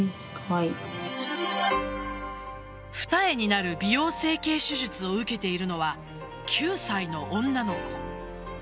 二重になる美容整形手術を受けているのは９歳の女の子。